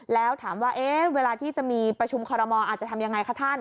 แล้วถามว่าเวลาที่จะมีประชุมคอรมอลอาจจะทำยังไงคะท่าน